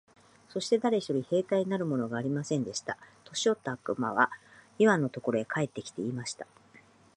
そして誰一人兵隊になるものがありませんでした。年よった悪魔はイワンのところへ帰って来て、言いました。